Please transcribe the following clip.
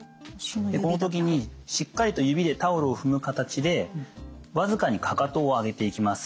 この時にしっかりと指でタオルを踏む形で僅かにかかとを上げていきます。